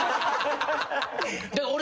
俺。